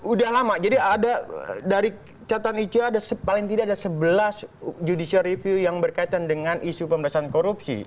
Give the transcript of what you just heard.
udah lama jadi ada dari catatan icw ada paling tidak ada sebelas judicial review yang berkaitan dengan isu pemerintahan korupsi